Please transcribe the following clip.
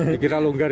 dikira longgar ya